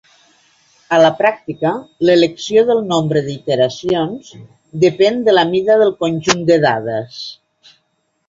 A la pràctica, l'elecció del nombre d'iteracions depèn de la mida del conjunt de dades.